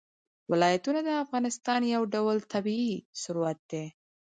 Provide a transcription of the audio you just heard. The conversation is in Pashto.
ولایتونه د افغانستان یو ډول طبعي ثروت دی.